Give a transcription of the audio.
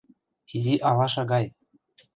Изи алаша гай...